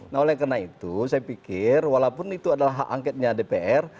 nah oleh karena itu saya pikir walaupun itu adalah hak angketnya dpr